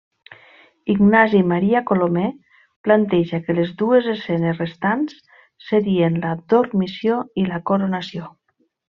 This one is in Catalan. Ignasi Maria Colomer planteja que les dues escenes restants serien la Dormició i la Coronació.